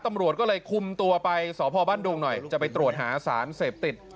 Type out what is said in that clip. ตำรวจก็เลยคุมตัวไปสพบ้านดุงหน่อยจะไปตรวจหาสารเสพติด